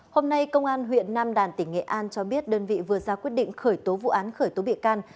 hôm nay công an huyện nam đàn tỉnh nghệ an cho biết đơn vị vừa ra quyết định khởi tố vụ án khởi tố bị can